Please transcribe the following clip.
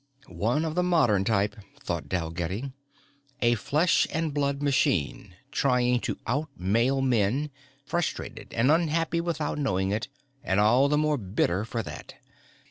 One of the modern type, thought Dalgetty. _A flesh and blood machine, trying to outmale men, frustrated and unhappy without knowing it and all the more bitter for that.